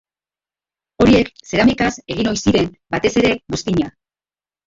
Horiek zeramikaz egin ohi ziren, batez ere buztina.